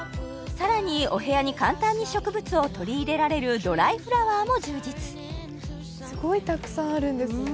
さらにお部屋に簡単に植物を取り入れられるドライフラワーも充実すごいたくさんあるんですね